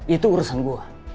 itu urusan gue